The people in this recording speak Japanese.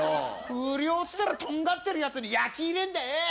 不良っつったらとんがってるやつに焼き入れんだよ。